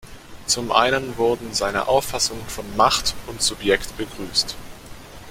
Zum einen wurden seine Auffassungen von Macht und Subjekt begrüßt.